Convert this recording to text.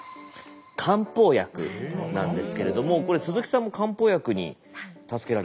漢方薬なんですけれどもこれ鈴木さんも漢方薬に助けられたと。